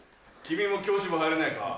君も教師部入らないか？